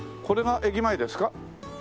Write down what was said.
これが駅前ですか？